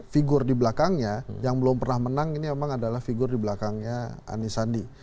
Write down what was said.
figur di belakangnya yang belum pernah menang ini memang adalah figur di belakangnya anies sandi